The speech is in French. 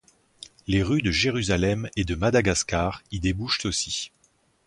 Les rues de Jérusalem et de Madagascar y débouchent aussi.